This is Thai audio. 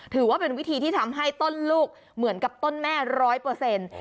ถือว่าเป็นวิธีที่ทำให้ต้นลูกเหมือนกับต้นแม่ร้อยเปอร์เซ็นต์